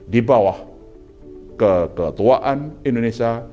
di bawah keketuaan indonesia